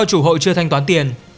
do chủ hội chưa thanh toán tiền